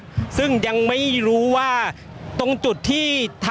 ก็น่าจะมีการเปิดทางให้รถพยาบาลเคลื่อนต่อไปนะครับ